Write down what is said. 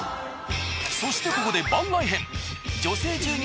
そしてここで番外編。